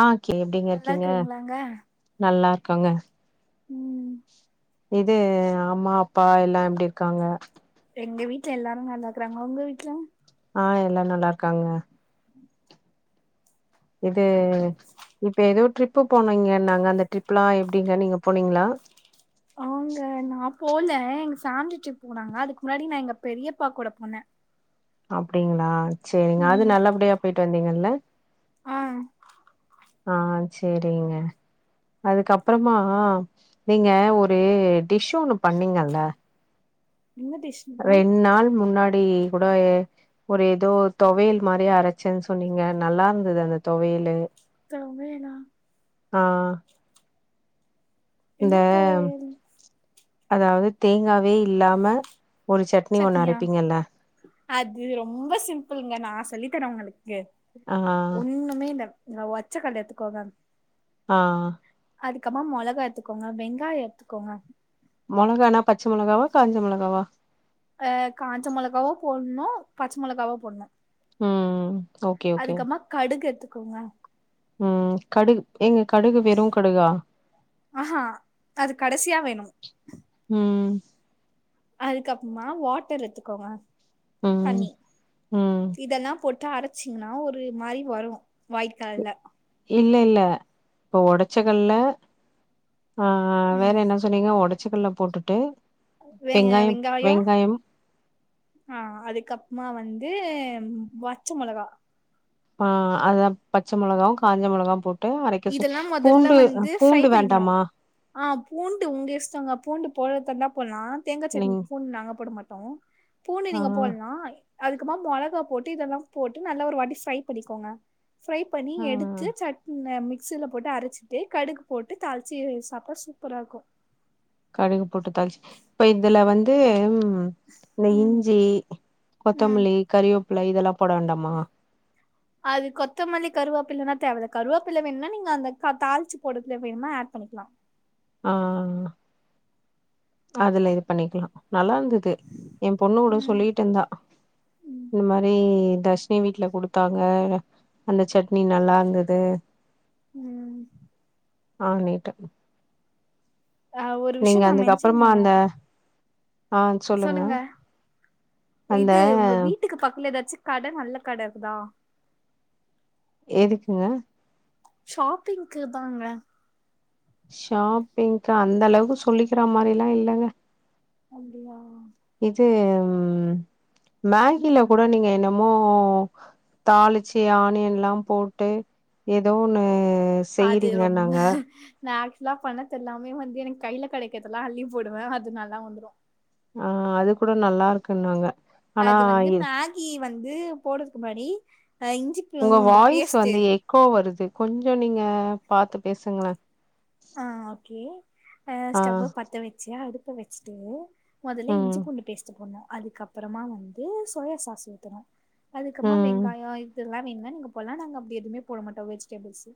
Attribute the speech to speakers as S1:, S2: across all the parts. S1: ஆ கே எப்டிங்க
S2: நல்லா
S1: இருக்கீங்க
S2: இருக்கிறீங்களாங்க
S1: நல்லா இருக்கங்க
S2: ம்
S1: இது ஆம்மா அப்பா எல்லா எப்டி இருக்காங்க
S2: எங்க வீட்ல எல்லாரு நல்லா இருக்குறாங்க ஒங்க வீட்ல
S1: ஆ எல்லாரு நல்லா இருக்காங்க
S2: உம்
S1: இது இப்ப எதோ ட்ரிப்பு போனீங்கன்னாங்க அந்த ட்ரிப்புலா எப்டிங்க நீங்க போனீங்ளா
S2: ஆங்க நா போல எங்க ஃபேம்லி ட்ரிப் போனாங்க அதுக்கு முன்னாடி நா எங்க பெரியப்பா கூட போனே
S1: அப்டிங்ளா சேரிங்க அது
S2: ம்
S1: நல்லபடியா போயிட்டு வந்தீங்கள்ல
S2: ஆ
S1: ஆ சேரிங்க அதுக்கப்றமா நீங்க ஒரு டிஷ் ஒன்னு பண்ணீங்கல்ல
S2: என்ன டிஷ்
S1: ரெண்டு நாள் முன்னாடி கூடயே ஒரு எதோ தொவையல் மாரி அரைச்சன் சொன்னீங்க நல்லா இருந்தது அந்த தொவையலு
S2: தொவையலா
S1: ஆ இந்த
S2: என்ன துவையல்
S1: அதாவ்து தேங்காவே இல்லாம ஒன்னு சட்னி ஒன்னு
S2: சட்னியா
S1: அரைப்பீங்கல்ல
S2: அது ரொம்ப சிம்பிளுங்க நா சொல்லி தரே உங்களுக்கு
S1: ஆ
S2: ஒன்னுமே இல்ல நீங்க ஒச்சக்கட்ல எட்த்துக்கோங்க
S1: ஆ
S2: அதுக்கமா மெளகா எட்த்துக்கோங்க வெங்காய எட்த்துக்கோங்க
S1: மெளகானா பச்ச மொளகாவா காஞ்ச மொளகாவா
S2: அ காஞ்ச மொளகாவு போட்ணு பச்ச மொளகாவு போட்ணு
S1: ம் ஓகே ஓகே.
S2: அதுக்கமா கடுகு எட்த்துக்கோங்க
S1: ம் கடுகு ஏங்க கடுகு வெறு கடுகா
S2: ஆ ஹா அது கடசியா வேணு
S1: ம்
S2: அதுக்கப்பமா வாட்டர் எட்த்துக்கோங்க
S1: ம்
S2: தண்ணி
S1: ம்.
S2: இதெல்லா போட்டு அரைச் சீங்னா ஒரு மாரி வரு ஒயிட் கலர்ல
S1: இல்ல இல்ல இப்ப ஒடச்சகட்ல ஆ வேற
S2: ம்
S1: என்ன சொ சொன்னீங்க ஒடச்சக்கட்ல போட்டுட்டு
S2: வேங்க
S1: வெங்காயம்
S2: வெங்காய
S1: வெங்காயம்
S2: ஆ அதுக்கப்மா வந்து ம் வச்ச மொளகா
S1: ஆ அதா பச்ச மொளகாவு காஞ்ச மொளகாவு போட் ட்டு அரைக்க சொல்
S2: இதெல்லா மொதல்ல
S1: பூண்டு அ
S2: வந்து ஃப்ரை
S1: பூண்டு
S2: பண்ணிக்கணு
S1: வேண்டாமா
S2: ஆ பூண்டு உங்க இஷ்டங்க பூண்டு போட்றதா இருந்தா போட்லா தேங்கா
S1: நீங்
S2: சட்னிக்கு பூண்டு நாங்க போட மாட்டோ பூண்டு
S1: ஆ
S2: நீங்க போட்லா அதுக்கப்மா மொளகா போட்டு இதல்லாம் போட்டு நல்லா ஒரு வாட்டி ஃப்ரை பண்ணிக்கோங்க ஃப்ரை பண்ணி எடுத்
S1: ஆ.
S2: து சட்ன மிக்ச்சியில போட்டு அரச்சிட்டு கடுகு போட்டு தாளிச்சி சாப்ட்டா சூப்பரா இருக்கு
S1: கடுகு போட்டு தாளுச் இப்ப இதுலா வந்து இந்த
S2: ம்
S1: இஞ்சி
S2: ம்
S1: கொத்தமல்லி கறிவேப்பில இதெல்லா போட வேண்டாமா
S2: அது கொத்தமல்லி கருவாப்பில்லலா தேவல்ல கருவாப்பில்ல வேண்னா நீங்க அந்த க தாளிச்சு போடத்துல வேண்னா ஆட் பண்ணிக்கலா
S1: ஆ அதுல இது பண்ணிக்லா நல்லா இருந்துது எ பொண்ணு கூட
S2: ம்
S1: சொல்லிட் இந்தா இந்த மாரி தர்ஷினி வீட்ல குடு த்தாங்க அந்த சட்னி நல்லா இருந்துது
S2: ம்
S1: ஆனீட்டு
S2: ஆ ஒரு விஷ்யோ
S1: நீங்க
S2: நா
S1: அதுக்கு
S2: மென்ஷன்
S1: அப்புறமா
S2: பண்ணோ
S1: அந்த ஆ சொல்லுங்க அந்த
S2: இது உங்க வீட்டுக்கு பக்கல ஏதாச்சு கட நல்ல கட இருக்குதா
S1: எதுக்குங்க
S2: ஷாப்பிங்க்கு தாங்க
S1: ஷாப்பிங்க்கா அந்த அளவுக்கு சொல்லிக்கிற மாரில்லா இல்லங்க
S2: அப்டியா
S1: இது மேகில கூட நீங்க என்னமோ தாளிச்சி ஆனியன்ல்லாம் போட்டு ஏதோ ஒன்னு
S2: அது ரொம்ப ஸ்நாக்ஸ்ல்லாம் பணத்து எல்லாமே வந்து எனக்கு கையில கடைக்கறதெல்லா அள்ளி போடுவ அது நல்லா வந்துரு
S1: ஆ அது கூட நல்லா இருக்குன்னாங்க ஆனா
S2: அது வந்து
S1: எ
S2: மேகி வந்து போடுறதுக்கு முன்னாடி அ இஞ்சி
S1: உங்க
S2: பூண்டு
S1: வாய்ஸ்
S2: பேஸ்ட்டு
S1: வந்து எக்கோ வருது கொஞ்சோ நீங்க பாத்து பேசுங்கள
S2: ஆ ஓகே அ
S1: ஆ
S2: ஸ்டவ்வ பத்து வச்சு அடுப்ப வச்சுட்டு மொதல்ல
S1: ம்
S2: இஞ்சி பூண்டு பேஸ்ட்டு போட்ணு அதுக்க அப்பறமா வந்து சோயா சாஸ் ஊத்தணு அதுக்கப்மா
S1: ம்
S2: வெங்காயோ இதல்லா வேண்னா நீங்க போட்லா நாங்க அப்டி எதுவுமே போட மாட்டோ வெஜிடேபிள்ஸ்ஸு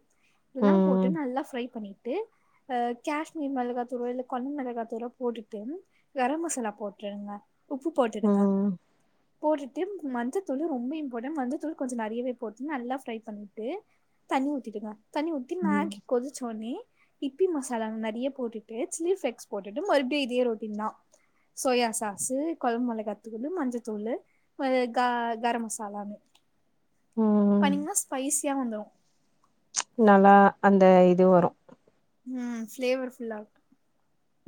S2: எல்லா போட்டு
S1: ம்
S2: நல்லா ஃப்ரை பண்ணி அ காஷ்மீர் மெளகாத்தூளு இல்லா கொலம் மெளகாத்தூளோ போட்டுட்டு கரம் மசாலா போட்ருங்க உப்பு போட்டுடுங்க
S1: ம்
S2: போட்டுட்டு மஞ்சத்தூள் ரொம்ப இம்பார்டன் மஞ்ச தூள் கொஞ்சோ நறையவே போட்டு நல்லா ஃப்ரை பண்ணிட்டு தண்ணி ஊத்திடுங்க தண்ணி ஊத்தி
S1: ம்
S2: மேக்கி கொதிச்சோனே இப்பி மசாலா நறைய போட்டுட்டு சில்லி ப்ளக்ஸ் போட்டுட்டு மறுபடியு இதே ரொட்டின் தா சோயா சாசு கொலம் மொளகா தூளு மஞ்சத்தூள் அ க கரம் மசாலாவ்மே
S1: ம்
S2: பண்ணிங்ன்னா ஸ்பைசியா வந்துரு
S1: நல்லா அந்த இது வரு
S2: ம் ஃப்ளேவர்ஃபுல்லா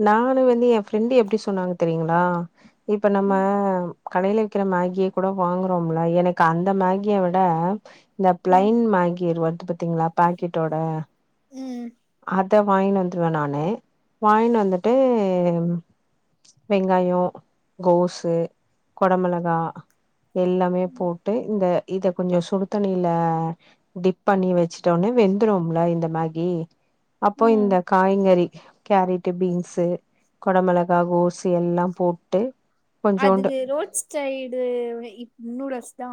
S1: நானு வந்து எ ஃப்ரெண்டு எப்டி சொன்னாங்க தெரியுங்களா இப்ப நம்ம கடையில விக்கிற மேகிய கூட வாங்குறோம்ல எனக்கு அந்த மேகிய விட இந்த
S2: ம்
S1: பிளைன் மேகி வருது பாத்தீங்ளா பேக்கெட்டோட
S2: ம்
S1: அத வாங்கின் வந்துருவே நானு வாங்கினு வந்துட்டு வெங்காயோ கோசு கொட மிளகா எல்லாமே போட்டு இந்த இத கொஞ்சோ சுடுதண்ணிலா டிப் பண்ணி வச்சுட்டோனே வெந்துரும்லா இந்த மேகி அப்போ
S2: ம்
S1: இந்த காய்கறி கேரட்டு் பீன்ஸ் கொடமிளகாய் கோசு எல்லாம் போட்டு கொஞ்சோண்டு
S2: அதுக்கு ரோட்ச் சைடு வ இ நூடுல்ஸ் தா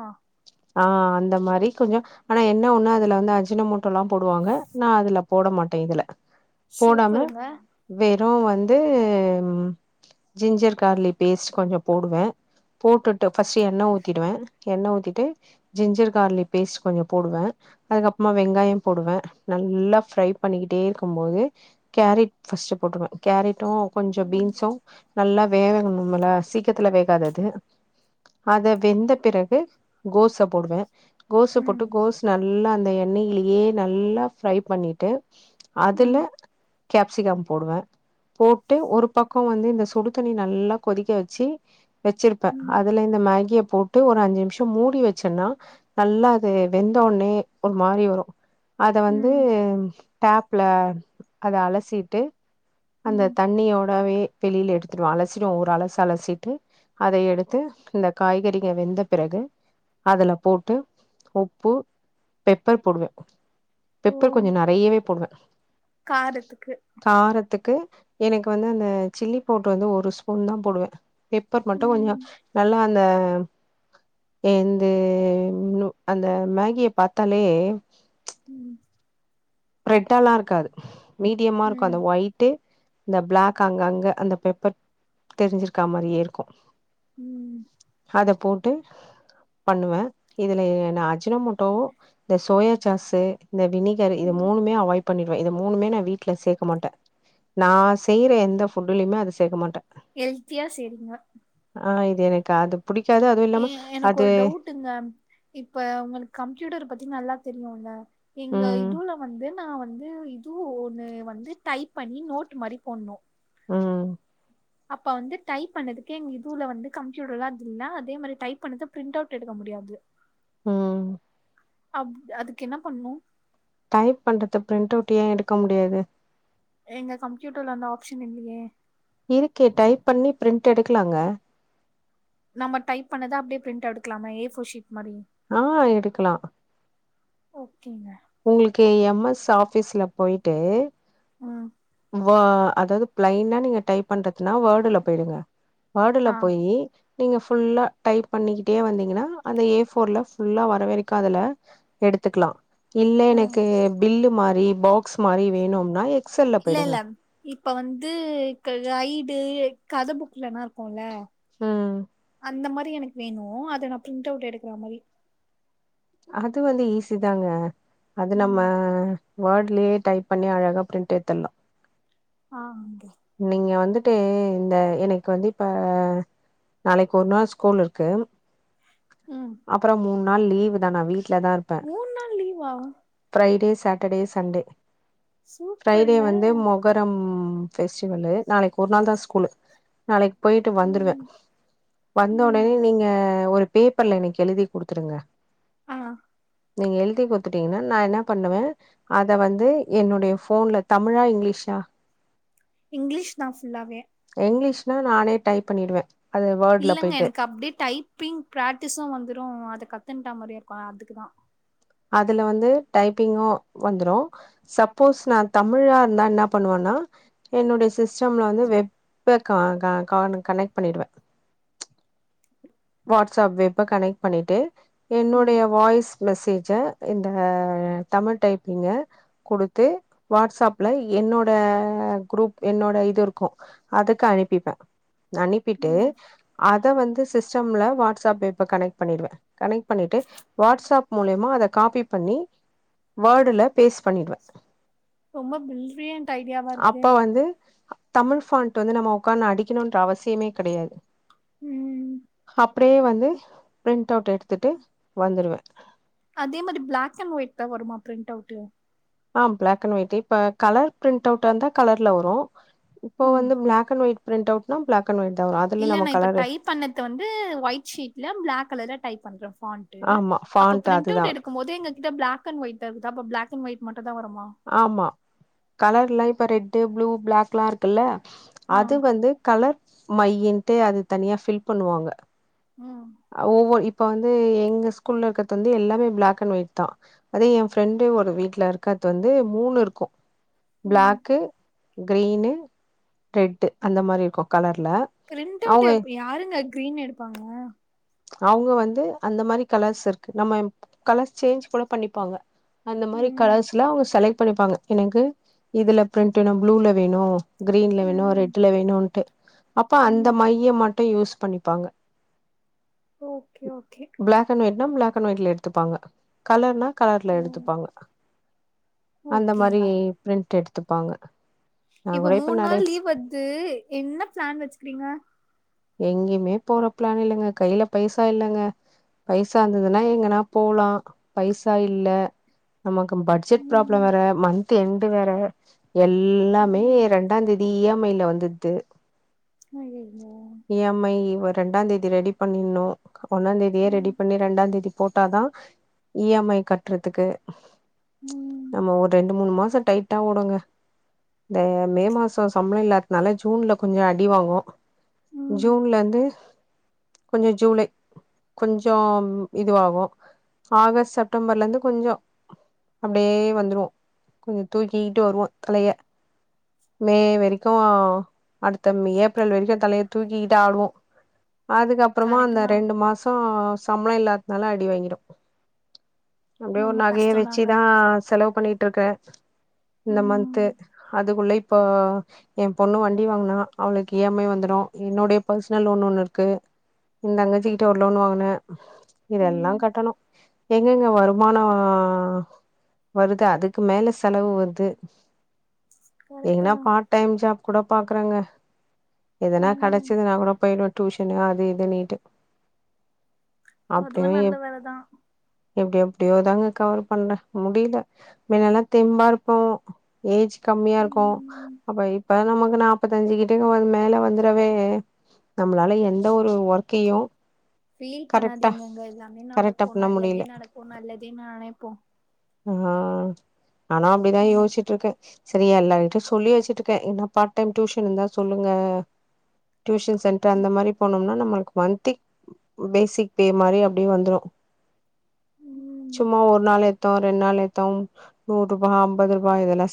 S1: ஆ அந்த மாரி கொஞ்ச ஆனா என்ன ஒண்ணு அதுல வந்து அஜின மோட்டோல்லா போடுவாங்க நா அதுல போட மாட்டே இதுல போடாம
S2: சூப்பருங்க
S1: வெறு வந்து ஜிஞ்சர் கார்லி பேஸ்ட் கொஞ்ச போடுவே போட்டுட் ஃபஸ்ட் எண்ண ஊத்திடுவே எண்ண ஊத்திட்டு ஜிஞ்சர் கார்லிக் பேஸ்ட் கொஞ்ச போடுவே அதுக்கப்புறமா வெங்காயோ போடுவே நல்லா ஃப்ரை பண்ணிக்கிட்டே இருக்கும்போது கேரட் பர்ஸ்ட் போட்டுருவே கேரட்டு கொஞ்ச பீன்ஸு நல்லா வேகனும்ல சீக்கத்துல வேகாது அது அது வெந்த பிறகு கோஸ போடுவே கோஸ போட்டு
S2: ம்
S1: கோஸ் நல்லா அந்த எண்ணெய்லியே நல்லா ஃப்ரை பண்ணிட்டு
S2: ம்
S1: அதுல கேப்சிகம் போடுவே போட்டு ஒரு பக்கோ வந்து இந்த சுடு தண்ணி நல்லா கொதிக்க வெச்சு வெச்சிருப்பே
S2: ம்
S1: அதுல இந்த மேகிய போட்டு ஒரு அஞ்சு நிமிஷ மூடி வெச்சன்னா நல்லா அது வெந்தோன்னே ஒரு மாரி வரு அத
S2: ம்
S1: வந்து டேப்ல அத அலசிட்டு அந்த
S2: ம்
S1: தண்ணியோடவே வெளில எடுத்துருவோ அலசிடுவோ ஒரு அலசு அலசிட்டு அத எடுத்து இந்த காய்கறிக வெந்த பிறகு அதுல போட்டு உப்பு பெப்பர் போடுவே பெப்பர்
S2: ஓ
S1: கொஞ்ச நெறையவே போடுவே
S2: காரத்துக்கு
S1: காரத்துக்கு எனக்கு வந்து அந்த சில்லி பவுட்ரு வந்து ஒரு ஸ்பூன் தா போடுவே பெப்பர் மட்டும் கொஞ்ச
S2: ம்
S1: நல்லா அந்த என்து இந்த அந்த மேகியை பாத்தாலே
S2: ம்
S1: ரெட்டால்லா இருக்காது மீடியமா இருக்கு
S2: ம்
S1: அந்த ஒய்ட்டு இந்த பிளாக் அங்க அங்க அந்த பெப்பர் தெரிஞ்சிருக்க மாரியே இருக்கு
S2: உம்
S1: அத போட்டு பண்ணுவே இதுல நா அஜினோ மோட் டோ இந்த சோயா சாஸீ இந்த வினிகர் இது
S2: ம்
S1: மூணுமே அவாய்ட் பண்ணிடுவே இத மூணுமே நா வீட்ல சேக்க மாட்டே நா செய்ற எந்த ஃபுட்டுலயுமே அது சேக்க மாட்டே
S2: ஹெல்த்தியா செய்ரீங்க
S1: ஆ இது எனக்கா அது புடிக்காது அதுவு இல்லாம அது
S2: ங்க இப்ப உங்ளுக்கு கம்ப்யூட்டர் பத்தி நல்லா தெரியுல்ல எங்க
S1: ம்
S2: இதுல வந்து நா வந்து இதோ ஒன்னு வந்து டைப் பண்ணி நோட் மாரி போடுணு
S1: உம்
S2: அப்ப வந்து டைப் பண்ணதுக்கு எங்க இதூல வந்து கம்ப்யூட்டர் எல்லா இல்லயா அதே மாரி டைப் பண்றது பிரிண்ட் அவுட் எடுக்க முடியாது
S1: ம்
S2: அவ் அதுக்கு என்ன பண்ணு
S1: டைப் பண்றது பிரிண்ட் அவுட் ஏ எடுக்க முடியாது
S2: எங்க கம்ப்யூட்டர்ல அந்த ஆப்ஷன் இல்லையே
S1: இருக்கே டைப் பண்ணி பிரிண்டட் எடுக்கலாங்க
S2: நம்ம டைப் பண்ணத அப்டியே பிரிண்ட்டு எடுக்கலாமா ஏஃபோர் ஷீ்ட் மாதிரி
S1: ஆ எடுக்கலா
S2: ஓகேங்க
S1: உங்களுக்கு எம் எஸ் ஆஃபீஸ்ல போயிட்டு
S2: ஆ
S1: ஓ அதாவ்து பிளைனா நீங்க டைப் பண்றதுன்னா வேர்டுல போயி்டுங்க வேர்டுல
S2: ஆ
S1: போயி நீங்க ஃபுல்லா டைப் பண்ணிக்கிட்டே வந்தீங்கன்னா அந்த ஏ போஃர்ல ஃபுல்லா வரவேக்கு அதுல எடுத்துக்கலா இல்ல
S2: ம்
S1: எனக்கு பில் மாரி பாக்ஸ் மாரி வேணும்னா எக்ஸல்
S2: இல்ல இல்ல இப்ப வந்து க கைடு கத புக்லனா இருக்கும்ல
S1: ம்
S2: அந்த மாரி எனக்கு வேணு அத நா பிரிண்ட் அவுட் எடுக்கற மாரி
S1: அது வந்து ஈஸி தாங்க அது நம்ம
S2: ம்
S1: வேர்ட்லயே டைப் பண்ணி அழகா பிரிண்ட்டு எடுத்துடலா
S2: ஆ
S1: நீங்க வந்துட்டு இந்த எனக்கு வந்து இப்ப நாளைக்கு ஒரு நாள் ஸ்கூல் இருக்கு
S2: ம்
S1: அப்றோ மூணு நாள் லீவ் தான வீட்டுல தா இரு
S2: மூணு நாள் லீவா
S1: ஃப்ரைடே சாட்டர்டே சண்டே ஃப்ரைடே
S2: சூப்பருங்க
S1: வந்து மொ மொஹரம் பெஸ்டிவலு நாளைக்கு ஒரு நாள் தா ஸ்கூலு நாளைக்கு போயிட்டு வந்துருவே
S2: ம்
S1: வந்த
S2: ம்
S1: உடனே நீங்க ஒரு இப்பல்ல இன்னைக்கு எழுதி கொடுத்துருங்க
S2: ஆ
S1: நீங்க எழுதி கொடுத்துட்டீங்கன்னா நா என்ன பண்ணுவே அத வந்து என்னுடைய ஃபோன்ல தமிழா இங்கிலீஷா
S2: இங்கிலீஷ் தா ஃபுல்லாமே
S1: இங்கிலீஷ்னா நானே டைப் பண்ணிடுவே அது வேர்ட்ல
S2: இல்லங்க
S1: போயிட்டு
S2: எனக்கு அப்டி டைப்பிங் பிராக்டிஸு வந்துரு அத கத்துன்டா மாரி இருக்கு அதுக்குதா
S1: அதுல வந்து டைப்பிங்கு வந்துரு சப்போஸ் நா தமிழா இருந்தா என்ன பண்ணுவன்னா என்னுடய சிஸ்டமில வந்து வெப் கா கா காம் கனெக்ட் பண்ணிடுவே வாட்ஸ்ஆப் வெப்ப கனெக்ட் பண்ணிட்டு
S2: ம்
S1: என்னுடைய வாய்ஸ் மெசேஜ்ஜ இந்த தமிழ் டைப்பிங்கு கொடுத்து வாட்ஸ்ஆப்ல என்னோட க்ரூப் என்னோட இது இருக்கு அதுக்கு அனுப்பிப்பே அனுப்பிட்டு
S2: ம்
S1: அத வந்து சிஸ்டம்ல வாடஸ்ஆப் வெப்ப கனெக்ட் பண்ணிடுவே கனெக்ட் பண்ணிட்டு வாட்ஸ்அப் மூலியமா அத காப்பி பண்ணி வேர்டுல பேஸ்ட் பண்ணிடுவே
S2: ரொம்போ பிரில்லியன்ட் ஐடியாவா இருக்குதே
S1: அப்ப வந்து தமிழ்ஃபாண்ட் வந்து நம்ம உட்காந் அடிக்கணுன்ற அவசியமே கிடையாது
S2: ம்
S1: அப்டியே வந்து பிரிண்ட் அவுட் எடுத்துட்டு வந்துருவே
S2: அதே மாரி பிளாக் அண்ட் ஒயிட் தா வருமா பிரிண்ட் அவுட்டு
S1: ஆ பிளாக் அண்ட் ஒயிட் இப்ப கலர் பிரிண்ட் அவுட்டா இருந்தா கலர்ல வரு இப்போ
S2: ம்
S1: வந்து பிளாக் அண்ட் ஒயிட் பிரிண்ட் அவுட்னா ப்ளாக் கன் ஒயிட் தா வரு அ
S2: இல்ல நா இப்ப டைப் பண்ணது வந்து ஒயிட் ஷீட்ல பிளாக் கலர்ல டைப் பண்றே ஃபாண்ட் டு
S1: ஆமா
S2: அப்ப
S1: ஃபாண்ட்
S2: பிரிண்ட்
S1: அதுதா
S2: அவுட்
S1: வரு.
S2: எடுக்கம் போது எங்க கிட்ட பிளாக் அண்ட் ஒய்ட் ஆகுது அப்ப பிளாக் அண்ட் ஒயிட் மட்டு தா வருமா
S1: ஆமா கலர்ல்லா இப்ப ரெட்டு ப்ளூ பிளாக்லா இருக்குல்ல
S2: ஆ
S1: அது வந்து கலர் மையின்ட்டு அது தனியா ஃபில் பண்ணுவாங்க
S2: ம்
S1: அ ஒவ்வொன் இப்ப வந்து எங்க ஸ்கூல்ல இருக்கறது வந்து எல்லாமே பிளாக் அண்ட் ஒயிட் தா அதே எ ஃப்ரெண்டு ஒரு வீட்ல இருக்கர்து வந்து மூணு இருக்கு
S2: ம்
S1: பிளாக்கு கிரீனு ரெட்டு அந்த மாரி இருக்கு கலர்ல
S2: பிரிண்ட் அவுட்டு
S1: அவங்க
S2: அப்ப யாருங்க கிரீன் எடுப்பாங்க
S1: அவுங்க வந்து அந்த மாரி கலர்ஸ் இருக்கு நம்ம கலர்ஸ் சேஞ்ச் கூட பண்ணிப்பாங்க அந்த மாரி
S2: ம்
S1: கலர்ஸ்ல்ல அவுங்க செலக்ட் பண்ணிப்பாங்க எனக்கு இதுல பிரிண்ட்டு வேணு ப்ளூல வேணு கிரீன்ல வேணு
S2: ம்
S1: ரெட்ல வேணுன்ட்டு அப்ப அந்த
S2: ம்
S1: மைய மட்டு யூஸ் பண்ணிப்பாங்க
S2: ஓகே ஓகே
S1: பிளாக் அண் ஒயிட்னா பிளாக் அண் ஒயிட்ல எடுத்துப்பாங்க கலர்னா கலர்ல எடுத்துப்பாங்க அந்த மாரி
S2: ஓகேங்க
S1: பிரிண்ட் எடுத்துப்பாங்க நா
S2: இப்ப
S1: கூட
S2: மூண்
S1: நெறை
S2: நாள் லீவ் வர்து என்ன பிளான் வச்சுக்கிறீங்க
S1: எங்கயுமே போற பிளான் இல்லங்க கைல பைசா இல்லங்க பைசா இருந்ததுன்னா எங்கன்னா போலா பைசா இல்ல நமக்கு பட்ஜெட் ப்ராப்ளம்
S2: ம்
S1: வேற மன்த் எண்டு் வேற எல்லாமே ரெண்டாந் தேதி ஈ எம் ஐ ல வந்துருது
S2: அய்யய்யோ
S1: ஈ எம் ஐ வ ரெண்டாந் தேதி ரெடி பண்ணிற்னு ஒன்னாந் தேதியே ரெடி பண்ணி ரெண்டாந் தேதி போட்டாதா ஈ எம் ஐ கட்றதுக்கு
S2: ம்
S1: நம்ம ஒரு ரெண்டு மூணு மாச டை ட்டா ஓடுங்க இந்த மே மாசோ சம்பளோ இல்லாட்னால ஜூன்ல கொஞ்சோ அடி வாங்கு
S2: ம்
S1: ஜூன்லருந்து கொஞ்ச ஜூலை கொஞ்சம் இதுவாகு ஆகஸ்ட் செப்டம்பர்ல இருந்து கொஞ்சோ அப்டியே வந்துரு கொஞ்சோ தூக்கிக்கிட்டு வருவோ தலைய மே வரைக்கு அடுத்த மே ஏப்ரல் வரைக்கு தலைய தூக்கிகிட்டு ஆடுவோ அதுக்கப்பறமா
S2: கரெக்ட்
S1: அந்த
S2: தான்
S1: ரெண்டு மாசோ சம்பள இல்லாத்னால அடி வாங்கிரு அப்டியே ஒரு
S2: ரொம்ப
S1: நகைய
S2: கஷ்டம்தாங்க
S1: வச்சுதா செலவு பண்ணிட்டு இருக்கே இந்த
S2: ம்
S1: மந்த்து அ அதுக்குள்ள இப்ப எ பொண்ணு வண்டி வாங்குனா அவளுக்கு ஈ எம் ஐ வந்துடு என்னுடைய பர்சனல் லோன் ஒண்ணு இருக்கு எ தங்கச்சி கிட்ட ஒரு லோன் வாங்குனே இதெல்லா
S2: ம்
S1: கட்டணு எங்கெங்க வருமானோ வருது அதுக்கு மேல செலவு வருது
S2: கரெக்ட்
S1: எங்கனா
S2: தான்
S1: பார்ட்டு டைம் ஜாப் கூட பாக்குறங்க
S2: ம்
S1: கெடைச்சதுனா கூட போயிடுவே டூஷனு அது இதுனீட்டு
S2: அதுவு
S1: அப்டியும் எ
S2: நல்ல வேலதா
S1: எப்டி எப்டியோ தாங்க கவர் பண்ணே முடியல மின்னல்லா தெம்பா இருப்போ ஏஜ் கம்மியா இருக்கு
S2: ம்
S1: அப்ப இப்ப நமக்கு நாப்பத்தஞ்சு கிட்டக மேல வந்து விடவே நம்மளால எந்த ஒரு ஒர்கையு
S2: ஃபீல் பண்ணாதீங்கங்க எல்லாமே
S1: கரெக்டா
S2: நடக்கு
S1: பண்ண
S2: நல்லதே
S1: முடியல
S2: நடக்கு நல்லதே நெனைப்போ
S1: ஆ ஆனா அப்டிதா யோசிச்சுட்ருக்கே செரி எல்லார்கிட்யு சொல்லி வெச்சுட்ருக்க என்னப்பா டியூஷன் இருந்தா சொல்லுங்க டியூஷன் சென்டர் அந்த மாரி போனம்னா நம்மளுக்கு மந்த்லி பேசிக் பே மாரி அப்டியே வந்துரு
S2: ம்
S1: சும்மா ஒரு நாள் எத்தோ ரெண்டு நாள் எத்தோம் நூறுபா அம்பது ருபா இதெல்லா